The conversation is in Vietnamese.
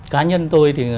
cá nhân tôi thì